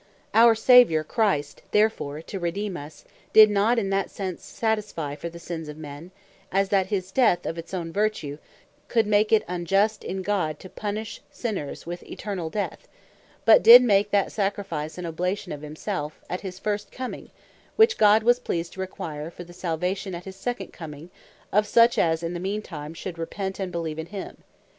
Our Saviour Christ therefore to Redeem us, did not in that sense satisfie for the Sins of men, as that his Death, of its own vertue, could make it unjust in God to punish sinners with Eternall death; but did make that Sacrifice, and Oblation of himself, at his first coming, which God was pleased to require, for the Salvation at his second coming, of such as in the mean time should repent, and beleeve in him.